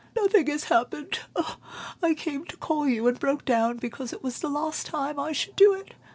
"Nothing has happened; I came to call you, and broke down because it was the last time I should do it.